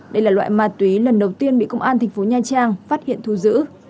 đây là loại ma túy lần đầu tiên bị công an thành phố nha trang phát hiện thu giữ